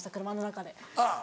車の中で。